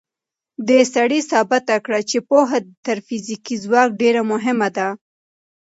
دې سړي ثابته کړه چې پوهه تر فزیکي ځواک ډېره مهمه ده.